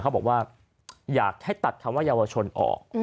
เขาบอกว่าอยากให้ตัดคำว่าเยาวชนออก